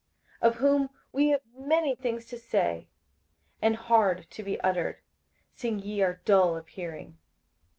58:005:011 Of whom we have many things to say, and hard to be uttered, seeing ye are dull of hearing.